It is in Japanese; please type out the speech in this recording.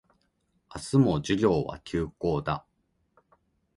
明日も授業は休講だ